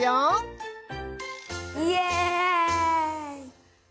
イエイ！